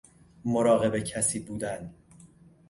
مراقب کسی بودن